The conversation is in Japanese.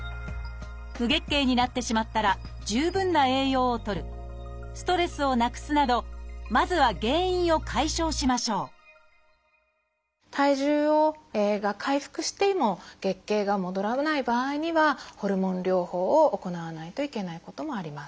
無月経になってしまったら十分な栄養をとるストレスをなくすなどまずは原因を解消しましょう体重が回復しても月経が戻らない場合にはホルモン療法を行わないといけないこともあります。